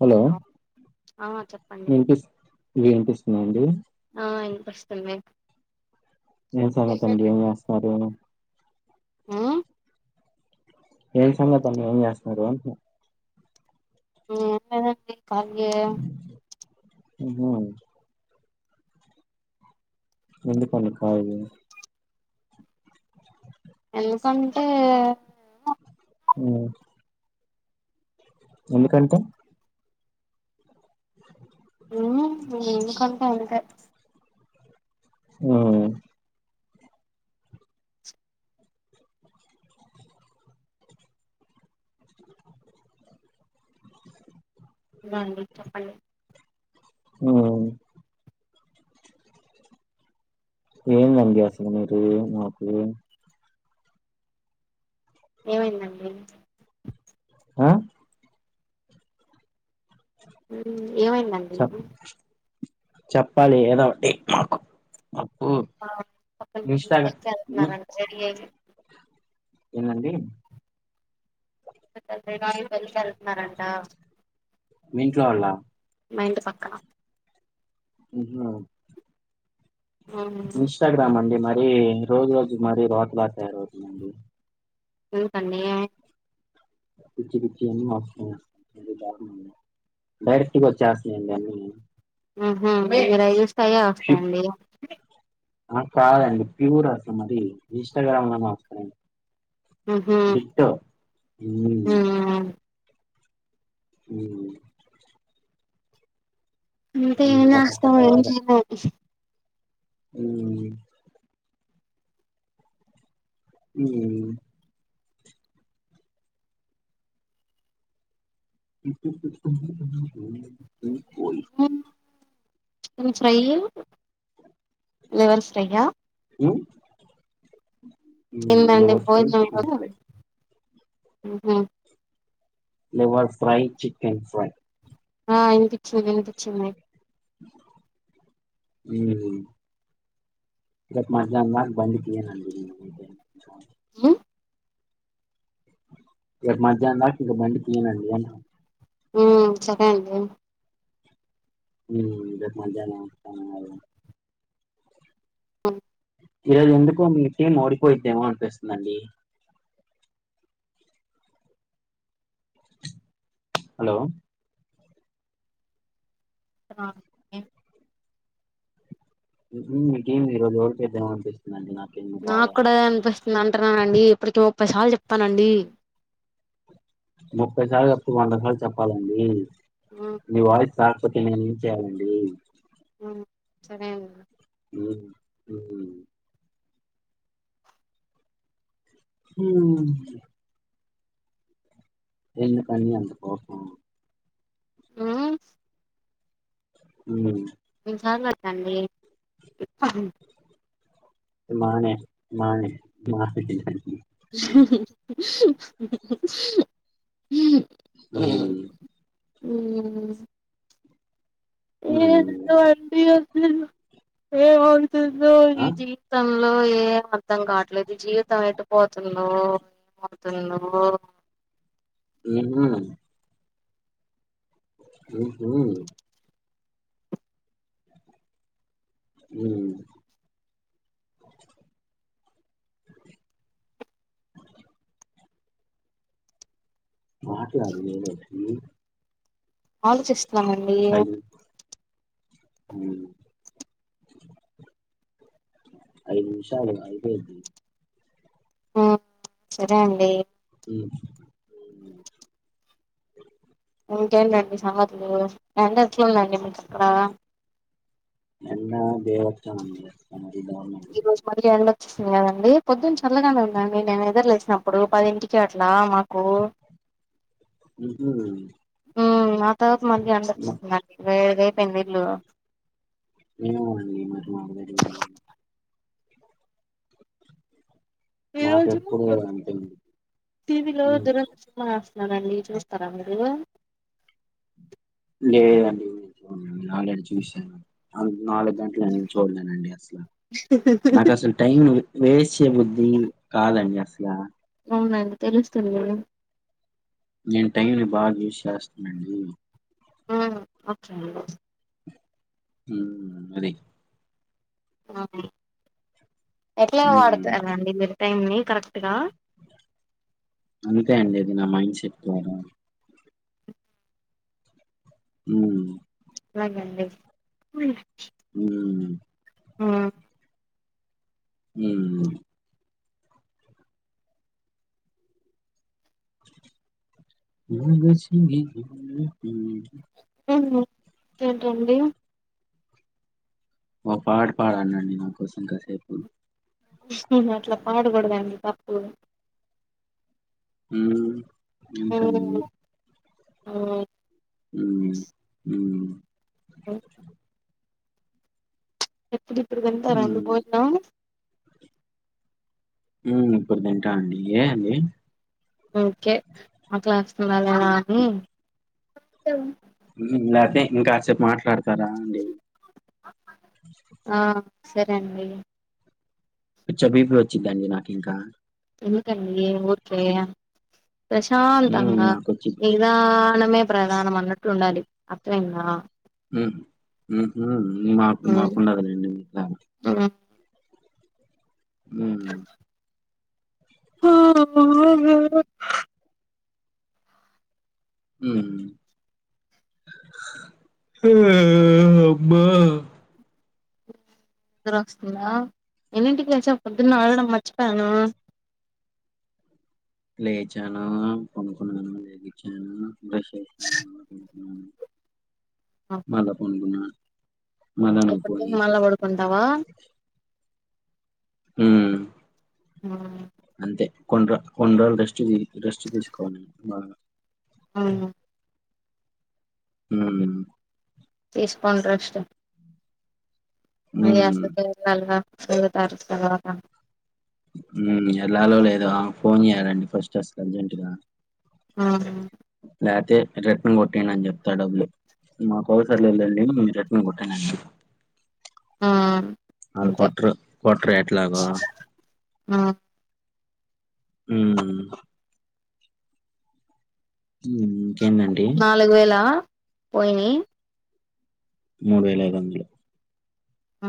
Hello ఆ చెప్పండి వినిపిస్ వినిపిస్తున్నా అండి ఆ వినిపిస్తుంది ఏం సంగతండి ఏం చేస్తనారు ఆ తేసాంగా తని ఏం చేస్తున్నారు మ్మ్ అంతేనండి కాదిగే మ్మ్ ఎందు పని కాదు ఎన్న సన్నట్ అఓ ఎందుకంటే మ్ ఎందుకంటే అంతే ఆ బా చెప్పండి ఆ ఏం అండి అసలు మీరు నాకు ఏమైందండి ఆ ఉ ఏమైందండి చె చెప్పాలి ఏద ఒకటి నాకు [unintelligible] రెడి అయి ఏందండి [unintelligible] వెళ్తున్నారంట మీఇంట్లో వాళ్ళ మా ఇంటి పక్కన మ్ ఉమ్ ఇన్స్టాగ్రామ్ అండి మరి రోజు రోజు మరి రాకుల తయారుతుతండి ఎందుకండి పిచ్చి పిచ్చి డైరెక్ట్ వచ్చాసినయిండి ఊహూ మరి అయి చూస్తే అయ్యో ప్యూ వస్తాయండి ఆ కాదండి ప్యూర్ అసలు మది ఇన్స్టాగ్రామ్ లో నే వస్తాయండి ఊహూ హ్మ్ హ్మ్ అంతే హ్మ్ ఏం చేస్తాం ఏమీ వరకటార చేయలేం హ్మ్ హ్మ్ హ్మ్ పోయి ఉమ్ చికెన్ ఫ్రై లివర్ ఫ్రైయా హ్మ్ హ్మ్ ఏందండి లివర్ ఫ్రై చికెన్ ఫ్రై ఊహూ లివర్ ఫ్రై చికెన్ ఫ్రై ఆ ఇనిపిచ్చింది ఇనిపిచ్చింది. హుమ్మ్ [unintelligible] అ రేపు మధ్యాహ్నం కదా ఇంకా బండి తియ్యనండి అంటున్న. ఆ సరే అండి. హుమ్మ్ రేప్ మధ్యాహ్నం [unintelligible] అ ఈరోజు ఎందుకో మీ టీం ఓడిపోయిద్దేమో అనిపిస్తుందండి. హలో [unintelligible] ఉహు మీ గేమ్ ఈరోజు ఓడిపోయేద్దేమో అనిపిస్తోంది అండి నాకు. నా కూడా అన్పిస్త్. నంటున్ననండి ఇప్పటికి ముప్పై సార్లు చెప్. ముప్పై సార్లు. ఓ వంద సార్లు చెప్పాలండి. ఉమ్ మీ వాయిస్. కాక్పోతే నేనేం చేయాలండి. ఆ సరే అండ్. ఉహుమ్ హుమ్మ్ ఎందుకండీ అంత కోపం. ఆ ఉమ్మ్ అన్ని సార్లు [unintelligible] అ మానే మానే మానే హుమ్మ్ ఉమ్మ్ మ్మ్ ఏమిటో అండి. [inaudible] ఏందో ఆ ఈ జీవితం. ఏంటో ఏం అర్థం కావట్లేదు జీవితం ఎటుపోతుందో. తన్నో [unintelligible] ఓహో ఉమ్మ్ మాట్లాడు ఏదో ఒకటి. ఆలోచిస్తున్నామండి. హుమ్మ్ ఐదు నిమిషాలు అయిపోయిద్దీ. ఆ సరే అండి మ్మ్ ఇంకేంటండి సంగతులు నం అలుందండి మ కా ఎండా [unintelligible] యా పొద్దున్న చల్లగా నే ఉందండి నేనే నిద్ర లేసినప్పుడు పదింటికి అట్లా మాకు [unintelligible] [unintelligible] [unintelligible] రేపెండెంట్లు ఏమో అండి మరి మాకు తెలీదు ఈ రోజు మాకెప్పుడు అంతే అండి. టీవీలో ఉమ్. దురదృష్టమా అవన్నీ చూస్తారా మీరు లేదండి ఆల్రెడీ చూసాను నాలుగు గంటలు నేను చూడలేనండి అసలు నాకు అసలు టైం వేస్ట్ చేయబుద్ది కాదండి అసలా అవునండి తెలుస్తుంది నేను టైంని బాగా యూస్ చేస్తానండి ఆ ఓకేనండి అదే అవును ఎట్లా మ్మ్ వాడుతారండి మీరు టైం ని కరెక్ట్ గా అంతే అండి అది నా మైండ్ సెట్ వర ఉ అలాగండి ఉమ్ ఆ ఉమ్ [unintelligible] ఐ డోంట్ నో ఏంటండి ఓ పాట పాడండి అండి నాకోసం కాసేపు అట్లా పాడకూడదండి తప్పు ఊ ఇంకానీ ఆ ఉ ఉ ఎప్పుడు ఇప్పుడు తింటారా అండి హ్మ్. భోజనం ఉమ్ ఇప్పుడు తింటా అండి ఏ అండి ఓకే ఆ క్లాస్ మళ్ళా నాకి కొత్తది హ్మ్. లేతే ఇంకాసేపు మాట్లాడు తార అండి ఆ సరే అండి పిచ్చా బి పి వచ్చిదండీ నాకి ఇంకా ఎందుకండి ఊరికే హ్మ్. ప్రశాంతంగా నాకొచ్చిద్ది. నిదానమే ప్రధానం అన్నట్లు ఉండాలి అర్థమైందా ఉ ఉహు మాకు మాకు ఉండది లేండి నిదానం ఉ హ ఆ ఉమ్ అమ్మా నిద్దర వస్తుందా ఎన్నింటికి లేచవు పొద్దున్న ఆడగడం మర్చిపోయాను లేచాను పోనుకున్నాను లేగిచ్చాను బ్రష్ మల్ల పనుకున్నా [unintelligible] మళ్ళా పడుకుంటావా ఉ ఆ కొన్ రో కొన్ని రోజులు రెస్ట్ తీ రెస్ట్ తీసుకోవాలి బాగా అవును ఊ తీసుకోండి రెస్ట్ మళ్లీ హ్మ్. [unintelligible] గా తొమ్మిదో తారిక్ తర్వాత హుమ్ ఎళ్ళలో లేదో ఫోన్ చేయాలండి ఫస్ట్ అస్ అర్జెంట్ గా హుమ్ రిటర్న్ కొట్టేయండి అని చెప్త ఆ డబ్బులు మాకవసరం లేదు లేండి మీరు రిటర్న్ కొట్టాయండి ఆ వాళ్లు అంతే కొట్రు కొట్రు ఎట్లాగో ఆ హుమ్ హ నాలుగు వేలా పోయినీ మూడు వేల ఐదు వందలు ఆ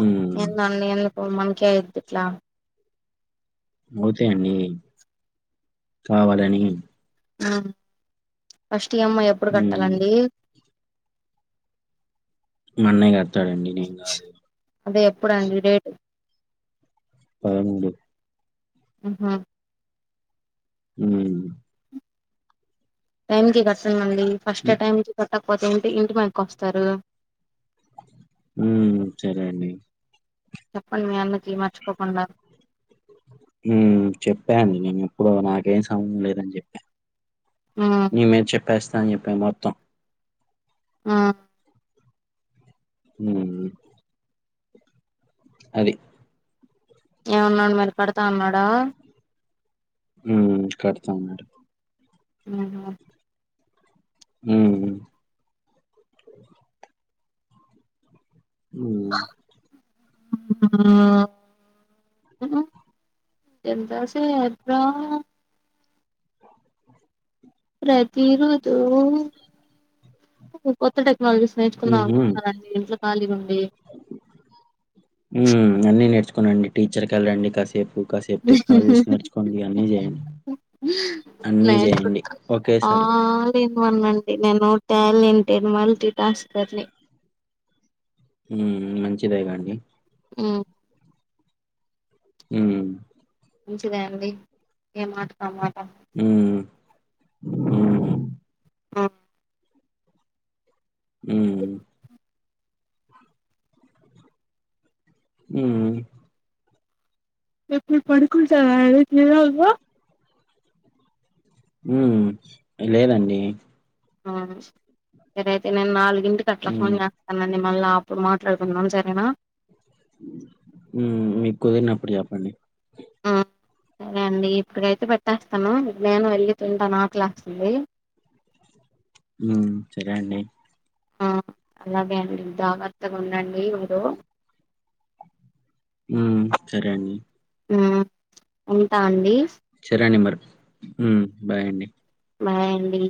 హ్మ్. ఏందొ న్నీ ఎందుక్ మనకే ఐద్ ఇట్లా అవుతాయ్ అండి కావలనీ ఆ ఫస్ ఈ ఎమ్ ఐ ఎప్పుడు హ్మ్. కట్టాలండి మన్నయ్ కడ్ అదే ఎప్పుడండి డేట్ పదమూడు హుమ్ హుమ్ టైమ్ కి గస్ ఫస్ట్ హ్మ్. అటెంప్ట్ కట్టక్ కొంచెం ఉంటే ఇంటి మీదక్ వస్తరూ హుమ్ సరే అండి చెప్పండి మీ అన్నక్ హుమ్ చెప్పాను నేను ఎప్పుడో నాక్ ఏ సంబంధం లేదని చెప్ప ఉమ్ మేమే చెప్పేస్ అని చెప్ప మొత్తం ఆ హుమ్ అది ఏమున్నాడు మరి కడతా అన్నాడా హుమ్ కడతా మన్నాడు హుమ్ హు హుమ్ హుమ్ హుమ్ ఆహా ఎంతాషె రాహా ప్రతీ రోజూ ఒక కొత్త టె వాలిసచ నేర్చుకుందాం హుహు. అనుకుంటున్నానండి ఇంట్లో ఖాళీగుండి తురండి టీచర్ గారండి కాసేపు కాసేపు టెక్నాలజీస్ నేర్చుకోండి అన్నీ చేయండి అన్నీ చేయండి ఒకేసారి ఔనండి నేను ట్యాలెంటెడ్ మల్టీటాస్కర్ ని ఊ మంచిదేగా అండి ఊ ఊ మంచిదే అండి ఏ మాటకు ఆ మా ఊ ఊ ఆ హ్మ్. ఊ ఎప్పుడు పడుకుంటే [unintelligible] ఊ ఏ లేదండి అవునవును ఇదైతే నేను నాల్ గింటికి అట్లా హ్మ్. ఫోన్ చేత్తానండి మళ్ళా అప్పుడు మాట్లాడుకుందాం సరేనా ఉమ్ మీకు కుదిరినప్పుడు చెప్పండి ఊ సరే అండి ఇప్పుటికైతే పెట్టేస్తాను ఇక నేనూ వెళ్ళి తింటాను ఆకలేస్తుంది ఊ సరే అండి ఆ అలాగే అండి జాగ్రత్తగా ఉండండి మీరు ఊ సరే అండి ఊ ఉంటా అండి చరే అండి మరి ఉమ్ బాయ్ అండి బాయ్ అండి